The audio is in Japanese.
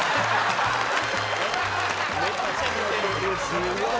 「すごい。